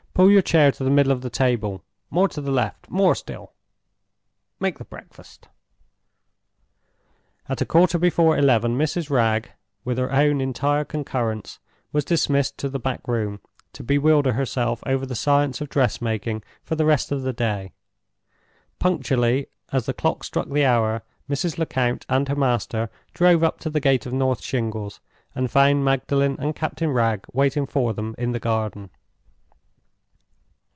Pull your chair to the middle of the table—more to the left—more still. Make the breakfast." At a quarter before eleven Mrs. Wragge (with her own entire concurrence) was dismissed to the back room, to bewilder herself over the science of dressmaking for the rest of the day. Punctually as the clock struck the hour, Mrs. Lecount and her master drove up to the gate of North Shingles, and found Magdalen and Captain Wragge waiting for them in the garden.